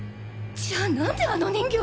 じゃあ何であの人形。